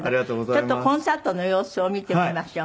ちょっとコンサートの様子を見てみましょう。